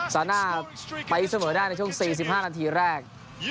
ซาน่าไปเสมอได้ในช่วง๔๕นาทีแรก